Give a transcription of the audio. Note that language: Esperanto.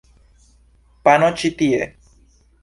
Pano ĉi tie!